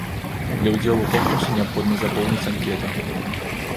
Для ўдзелу ў конкурсе неабходна запоўніць анкету.